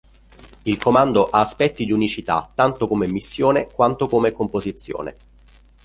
Il comando ha aspetti di unicità tanto come missione quanto come composizione.